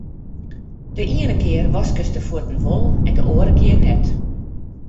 De iene kear waskest de fuotten wol en de oare kear net.